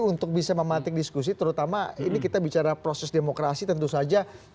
untuk bisa mematik diskusi terutama ini kita bicara proses demokrasi tentu saja